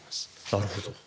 なるほど。